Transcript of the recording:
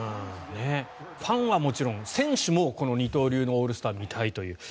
ファンはもちろん選手もこのオールスターの二刀流を見たいという。